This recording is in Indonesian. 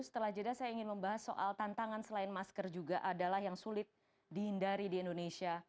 setelah jeda saya ingin membahas soal tantangan selain masker juga adalah yang sulit dihindari di indonesia